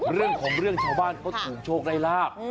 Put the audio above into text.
เรื่องของเรื่องชาวบ้านเขาถูกโชคได้ลาบ